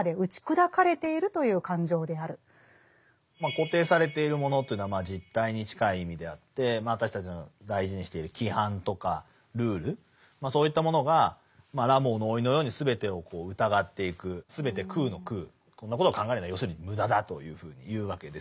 「固定されているもの」というものは実体に近い意味であって私たちの大事にしている規範とかルールそういったものが「ラモーの甥」のように全てを疑っていく全て空の空こんなことを考えるのは要するに無駄だというふうに言うわけです。